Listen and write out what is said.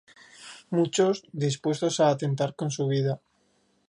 Muchos, dispuestos a atentar con su vida.